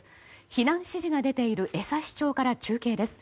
避難指示が出ている江差町から中継です。